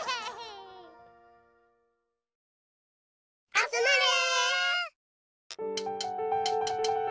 あつまれ。